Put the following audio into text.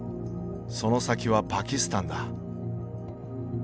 その先はパキスタンだ。